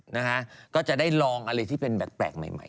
นะคะก็จะได้ลองอะไรที่เป็นแบบแปลกใหม่